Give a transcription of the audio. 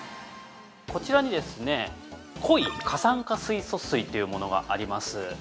こちらに濃い過酸化水素水というものがあります。